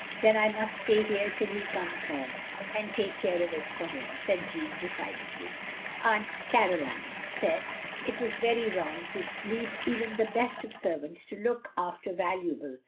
'*" Then I must stay here till he comes home, and take care of it for him, " said Jeanne, decidedly. "Aunt Caroline said it was very wrong to leave even the best of servants to look after valuable